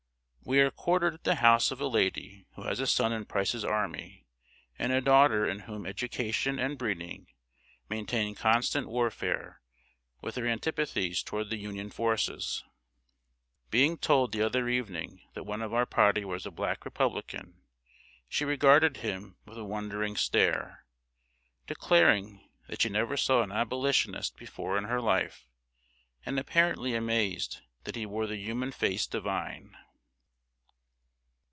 We are quartered at the house of a lady who has a son in Price's army, and a daughter in whom education and breeding maintain constant warfare with her antipathies toward the Union forces. Being told the other evening that one of our party was a Black Republican, she regarded him with a wondering stare, declaring that she never saw an Abolitionist before in her life, and apparently amazed that he wore the human face divine!